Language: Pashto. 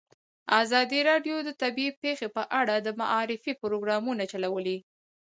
ازادي راډیو د طبیعي پېښې په اړه د معارفې پروګرامونه چلولي.